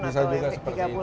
bisa juga seperti itu